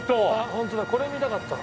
ホントだこれ見たかったの。